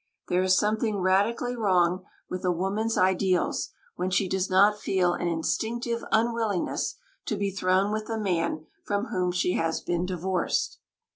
There is something radically wrong with a woman's ideals when she does not feel an instinctive unwillingness to be thrown with the man from whom she has been divorced.